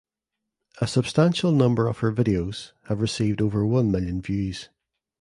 A substantial number of her videos have received over one million views.